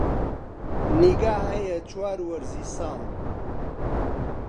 نیگا هەیە چوار وەرزی ساڵ